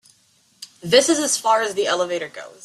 This is as far as the elevator goes.